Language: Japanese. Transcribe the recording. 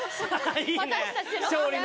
いいね